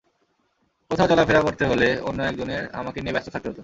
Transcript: কোথাও চলাফেরা করতে হলে অন্য একজনের আমাকে নিয়ে ব্যস্ত থাকতে হতো।